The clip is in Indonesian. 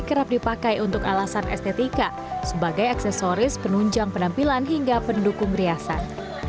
kerap dipakai untuk alasan estetika sebagai aksesoris penunjang penampilan hingga pendukung riasan